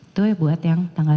itu yang buat yang tanggal sebelas